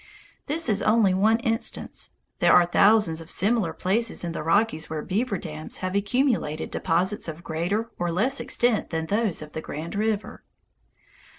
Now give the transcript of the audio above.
This is only one instance. There are thousands of similar places in the Rockies where beaver dams have accumulated deposits of greater or less extent than those on the Grand River.